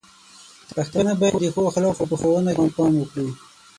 پښتانه بايد د ښو اخلاقو په ښوونه کې پام وکړي.